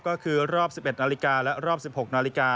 ก็คือรอบ๑๑นและรอบ๑๖น